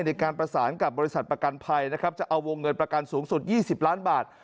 ในการประสานกับบริษัทประกันภัยนะครับจะเอาวงเงินประกันสูงสุด๒๐ล้านบาท